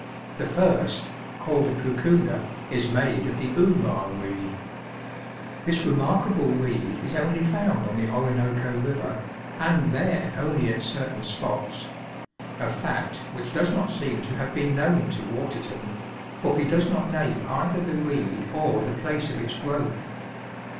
The first, called the poocoona, is made of the oorah reed. This remarkable reed is osdy found on the Orinoco River, and there only at certain spots ; a huot which does not seem to have been known to Waterton, for he does not name either the reed or the place of its growth.